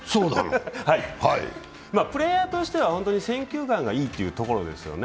プレーヤーとしては選球眼がいいというところですよね。